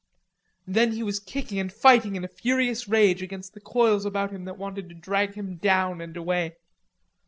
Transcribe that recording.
Then he was kicking and fighting in a furious rage against the coils about him that wanted to drag him down and away.